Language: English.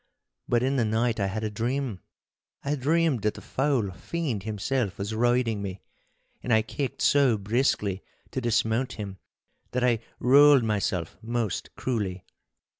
But in the night I had a dream. I dreamed that the foul fiend himself was riding me, and I kicked so briskly to dismount him that I rowelled myself most cruelly.